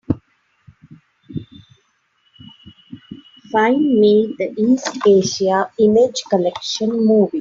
Find me the East Asia Image Collection movie.